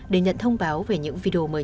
để nhận thông báo về những video mới nhất